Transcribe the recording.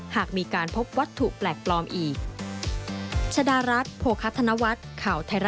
หากมีการพบวัตถุแปลกปลอมอีก